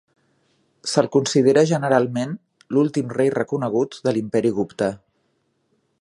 Se'l considera, generalment, l'últim rei reconegut de l'Imperi Gupta.